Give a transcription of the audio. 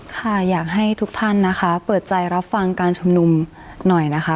ค่ะอยากให้ทุกท่านนะคะเปิดใจรับฟังการชุมนุมหน่อยนะคะ